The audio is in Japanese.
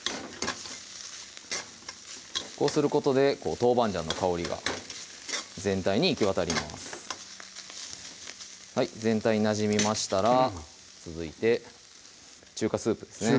こうすることで豆板醤の香りが全体に行き渡ります全体になじみましたら続いて中華スープですね